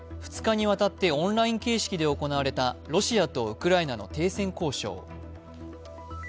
２日にわたってオンライン形式で行われたロシアとウクライナの停戦交渉。